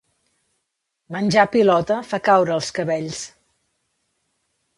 Menjar pilota fa caure els cabells.